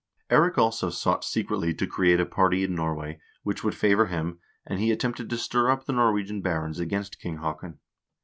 Eirik also sought secretly to create a party in Norway, which would favor him, and he attempted to stir up the Norwegian barons against King Haakon.